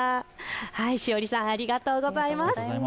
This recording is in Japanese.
しおりさんありがとうございます。